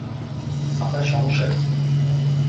আপনার সমস্যা কি?